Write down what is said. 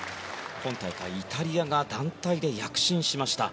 今大会、イタリアが団体で躍進しました。